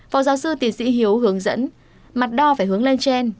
phó giáo sư tiến sĩ hiếu hướng dẫn mặt đo phải hướng lên trên